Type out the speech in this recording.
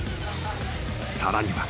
［さらには］